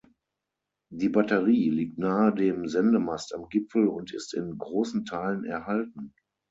Die Batterie liegt nahe dem Sendemast am Gipfel und ist in großen Teilen erhalten.